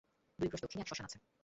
দুই ক্রোশ দক্ষিণে এক শ্মশান আছে।